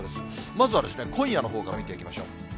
まずは今夜のほうから見ていきましょう。